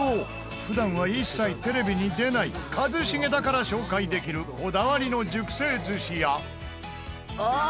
普段は一切テレビに出ない一茂だから紹介できるこだわりの熟成寿司やああー！